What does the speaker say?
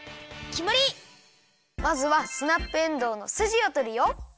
まずはスナップエンドウのすじをとるよ！